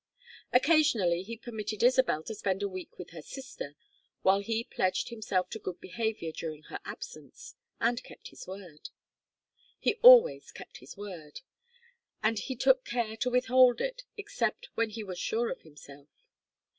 Occasionally he permitted Isabel to spend a week with her sister, while he pledged himself to good behavior during her absence; and kept his word. He always kept his word; and he took care to withhold it except when he was sure of himself.